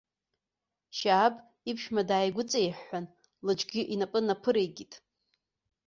Шьааб иԥшәма дааигәыҵеиҳәҳәан, лыҿгьы инапы наԥыреикит.